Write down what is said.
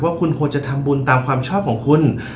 ว่าคุณควรจะทำบุญตามความชอบของคุณ